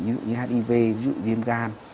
như hiv ví dụ viêm gan